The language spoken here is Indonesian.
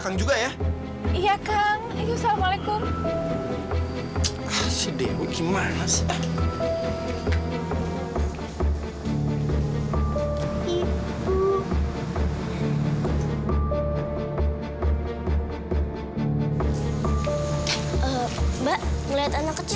kamu ada sama sekali ya